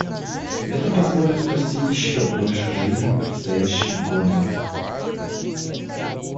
Это позволит спасти еще больше жизней в предстоящие годы.